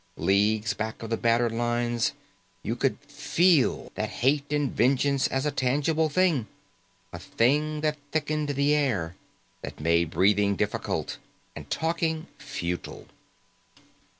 Leagues back of the battered lines, you could feel that hate and vengeance as a tangible thing, a thing that thickened the air, that made breathing difficult and talking futile.